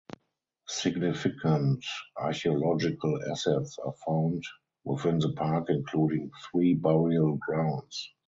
Significant archaeological assets are found within the park including three burial grounds.